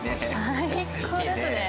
最高ですね。